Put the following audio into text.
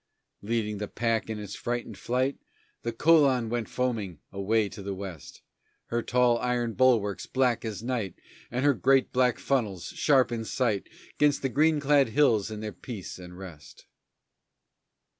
Leading the pack in its frightened flight The Colon went foaming away to the west Her tall iron bulwarks, black as night, And her great black funnels, sharp in sight 'Gainst the green clad hills in their peace and rest.